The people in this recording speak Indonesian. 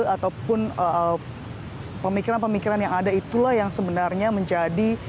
ataupun pemikiran pemikiran yang ada itulah yang sebenarnya menjadi